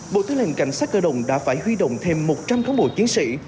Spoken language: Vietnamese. bộ tư lệnh cảnh sát cơ động đã phải huy động thêm một trăm linh cán bộ chiến sĩ